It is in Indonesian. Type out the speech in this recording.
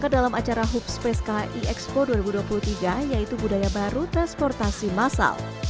dalam acara hub space kai expo dua ribu dua puluh tiga yaitu budaya baru transportasi masal